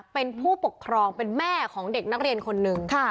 เป็นผู้ปกครองเป็นแม่ของเด็กนักเรียนคนหนึ่ง